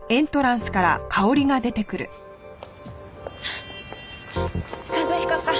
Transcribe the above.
あっ一彦さん。